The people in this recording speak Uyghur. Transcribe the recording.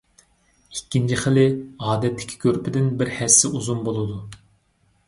ئىككىنچى خىلى ئادەتتىكى كۆرپىدىن بىر ھەسسە ئۇزۇن بولىدۇ.